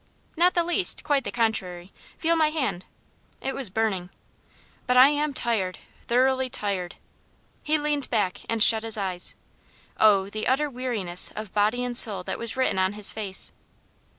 "Not the least quite the contrary feel my hand." It was burning. "But I am tired thoroughly tired." He leaned back and shut his eyes. Oh, the utter weariness of body and soul that was written on his face!